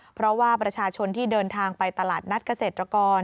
เพราะว่าประชาชนที่เดินทางไปตลาดนัดเกษตรกร